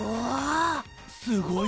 すごいね。